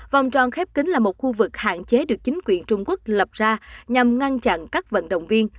vòng tròn khép kính là một khu vực hạn chế được chính quyền trung quốc lập ra nhằm ngăn chặn các vận động viên